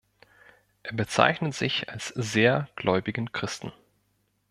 Er bezeichnet sich als sehr gläubigen Christen.